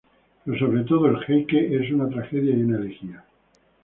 Pero, sobre todo, el Heike es una tragedia y una elegía.